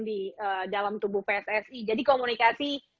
di dalam tubuh pssi jadi komunikasi